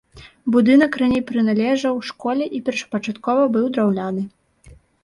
Будынак раней прыналежаў школе і першапачаткова быў драўляны.